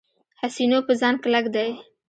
حسینو په ځان کلک دی.